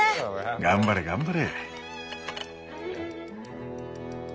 頑張れ頑張れ！